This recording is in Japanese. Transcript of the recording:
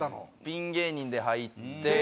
ピン芸人で入って。